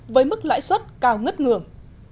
với mức lãi suất cao ngất ngường